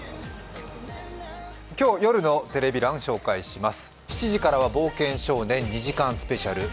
今日夜のテレビ欄を紹介します。